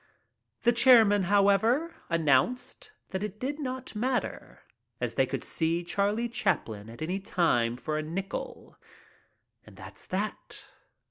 The chairman, however, announced that it did not matter, as they could see Charlie Chaplin at any time for a nickel — and that's that.